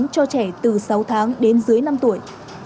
cho trẻ từ sáu tháng đến dưới năm tuổi